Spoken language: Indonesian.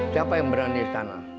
siapa yang berani istana